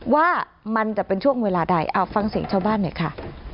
ว่ามันจะเป็นช่วงเวลาใดเอาฟังเสียงชาวบ้านหน่อยค่ะ